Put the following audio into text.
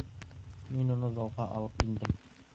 Мин уны залға алып индем.